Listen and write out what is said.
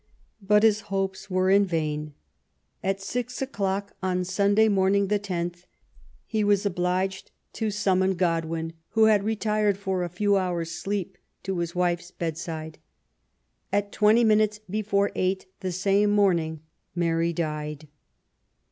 But his hopes were in vain. At six o'clock on Sunday morning, the 10th, he was obliged to summon Godwin, who had retired for a few hours' sleep, to his wife's bedside. At twenty minutes before •eight the same morning, Mary died.